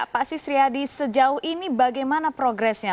pak sistriadi sejauh ini bagaimana progresnya